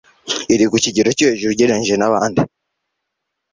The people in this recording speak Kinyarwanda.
iri ku kigero cyo hejuru ugereranyije na bandi